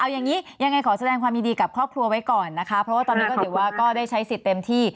เอาอย่างนี้ยังไงขอแสดงความยินดีกับครอบครัวไว้ก่อนนะคะเพราะว่าตอนนี้ก็ถือว่าก็ได้ใช้สิทธิ์เต็มที่